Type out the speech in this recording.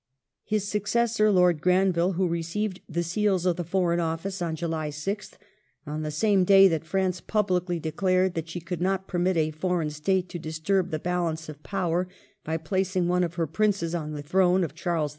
His successor was Lord Granville, who received the seals of the Foreign Office on July 6th — on the same day that France publicly declared that she could not permit a foreign State to disturb the balance of power by placing one of her princes on the " throne of Charles V."